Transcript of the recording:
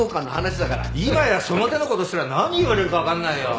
今やその手の事をしたら何言われるかわかんないよ。